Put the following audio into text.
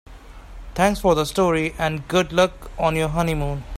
Thanks for the story and good luck on your honeymoon.